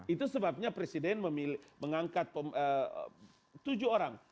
itu sebabnya presiden mengangkat tujuh orang